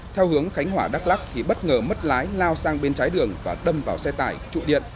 theo hướng khánh hỏa đắk lắc thì bất ngờ mất lái lao sang bên trái đường và đâm vào xe tải trụ điện